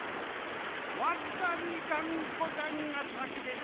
わずかにがんこちゃんがさきでしたね。